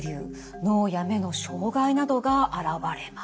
脳や目の障害などが現れます。